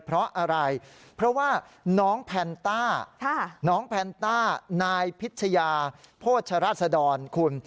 เพราะอะไรเพราะว่าน้องแพนต้าน้องแพนต้านายพิชยาโภชราศดรคุณ